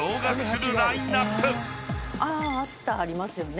アスターありますよね。